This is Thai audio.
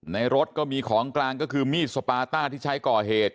รถก็มีของกลางก็คือมีดสปาต้าที่ใช้ก่อเหตุ